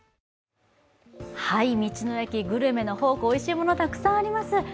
道の駅グルメの宝庫、おいしいもの、たくさんあります。